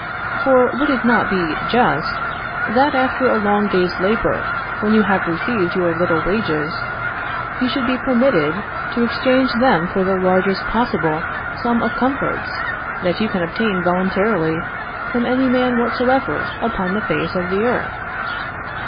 For would it not be just that after a long day's labor, when you have received your little wages, you should be permitted to exchange them for the largest possible sum of comforts that you can obtain voluntarily from any man whatsoever upon the face of the earth?